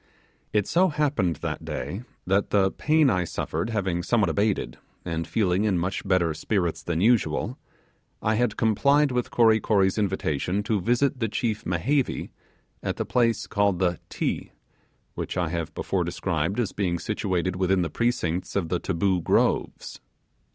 It so happened that day that the pain I suffered having somewhat abated, and feeling in much better spirits than usual, I had complied with Kory Kory's invitation to visit the chief Mehevi at the place called the 'Ti', which I have before described as being situated within the precincts of the Taboo Groves.